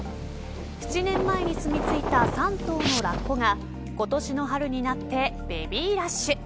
７年前に住み着いた３頭のラッコが今年の春になってベビーラッシュ。